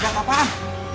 tidak ada apaan